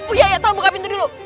uya tolong buka pintu dulu